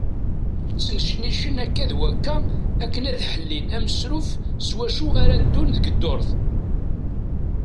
Ttnecnicen akka d wakka akken ad ḥellin amesruf s wacu ara ddun deg ddurt.